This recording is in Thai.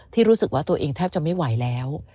ที่รู้สึกว่าตัวเองแทบจะไม่ไหวแล้ว